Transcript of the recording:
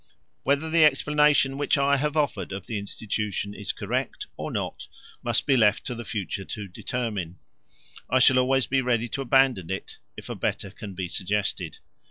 Whether the explanation which I have offered of the institution is correct or not must be left to the future to determine. I shall always be ready to abandon it if a better can be suggested.